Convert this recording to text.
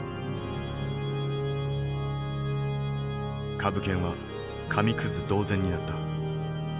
株券は紙くず同然になった。